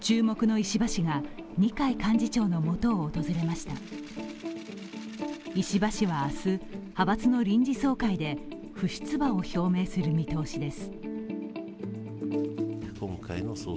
石破氏は明日、派閥の臨時総会で不出馬を表明する見通しです。